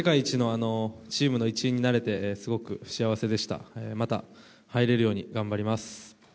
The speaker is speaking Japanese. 世界一のチームの一員になれてすごく幸せでした、また入れるように頑張ります。